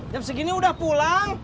jam segini udah pulang